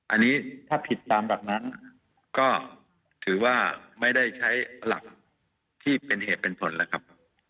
อันนี้ถ้าผิดตามหลักนั้นก็ถือว่าไม่ได้ใช้หลักที่เป็นเหตุเป็นผลแล้วครับ